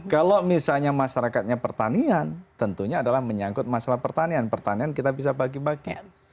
kalau misalnya masyarakatnya pertanian tentunya adalah menyangkut masalah pertanian pertanian kita bisa bagi bagi